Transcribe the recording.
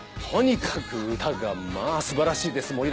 とにかく歌がまあ素晴らしいです。